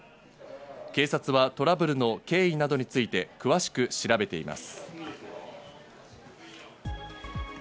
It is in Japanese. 警察はトラブルの経緯などについて詳しく調べています。